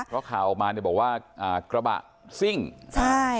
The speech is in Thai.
เพราะข่าวออกมาเนี่ยบอกว่าอ่ากระบะซิ่งใช่